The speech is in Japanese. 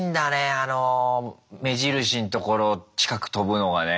あの目印のところ近く飛ぶのがね。